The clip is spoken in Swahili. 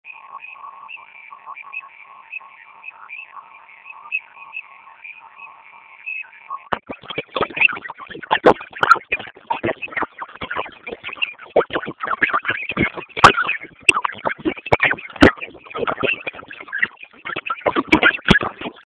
Wachaga ambao wanaishi hasa katika eneo hili wamelalamika kwa muda mrefu kwamba wanatendewa kama raia wa daraja la pili.